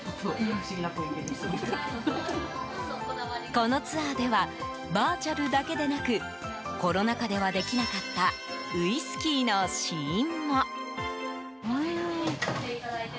このツアーではバーチャルだけでなくコロナ禍ではできなかったウイスキーの試飲も。